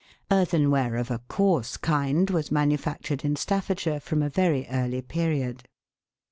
Earthenware of a coarse kind was manufactured in Staffordshire from a very early period.